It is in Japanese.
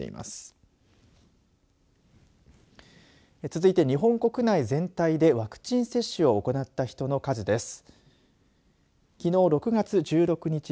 続いて日本国内全体でワクチン接種を行った人の数です。